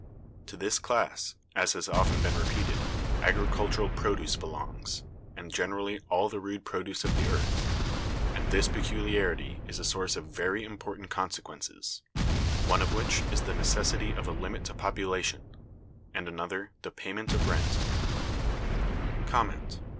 To this class, as has been often repeated, agricultural produce belongs, and generally all the rude produce of the earth; and this peculiarity is a source of very important consequences; one of which is the necessity of a limit to population; and another, the payment of rent.